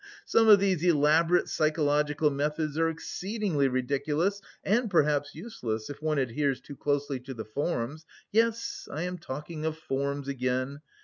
Some of these elaborate psychological methods are exceedingly ridiculous and perhaps useless, if one adheres too closely to the forms. Yes... I am talking of forms again.